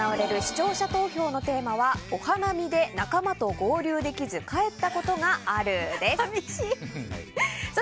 せきららスタジオ内で行われる視聴者投票のテーマはお花見で仲間と合流できず帰ったことがあるです。